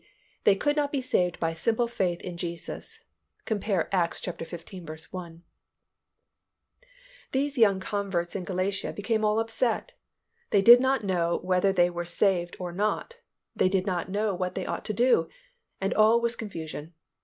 _, they could not be saved by simple faith in Jesus (cf. Acts xv. 1). These young converts in Galatia became all upset. They did not know whether they were saved or not; they did not know what they ought to do, and all was confusion.